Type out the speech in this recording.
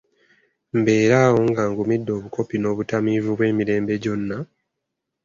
Mbeere awo nga ngumidde obukopi n’obutamiivu bwo emirembe gyonna?